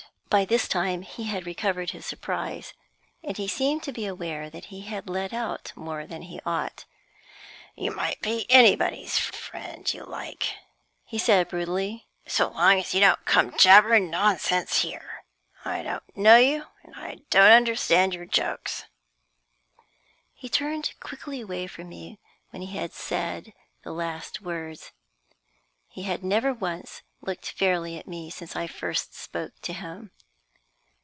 By this time he had recovered his surprise, and he seemed to be aware that he had let out more than he ought. "You may be anybody's friend you like," he said, brutally, "so long as you don't come jabbering nonsense here. I don't know you, and I don't understand your jokes." He turned quickly away from me when he had said the last words. He had never once looked fairly at me since I first spoke to him.